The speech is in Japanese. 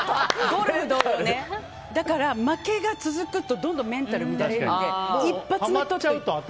だから、負けが続くとどんどんメンタルが乱れるので一発目をとって。